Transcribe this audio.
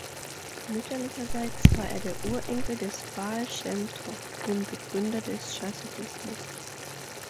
Mütterlicherseits war er der Urenkel des Baal Schem Tow, dem Begründer des Chassidismus.